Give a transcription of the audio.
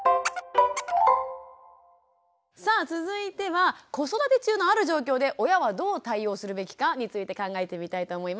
さあ続いては子育て中のある状況で親はどう対応するべきかについて考えてみたいと思います。